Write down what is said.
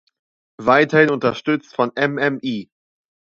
Weiterhin unterstützt von Mme.